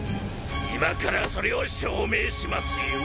今からそれを証明しますよ。